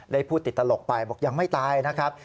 ได้พูดติดตลกไปบอกยังไม่ตายนะครับ